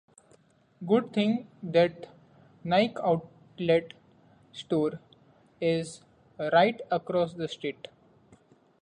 Good thing that Nike Outlet Store is right across the street.